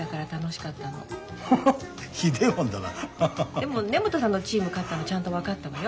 でも根本さんのチーム勝ったのちゃんと分かったわよ。